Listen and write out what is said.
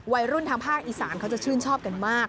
ทางภาคอีสานเขาจะชื่นชอบกันมาก